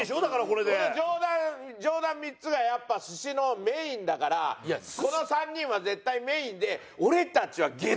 この上段上段３つがやっぱ寿司のメインだからこの３人は絶対メインで。